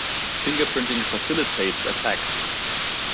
Fingerprinting facilitates attacks.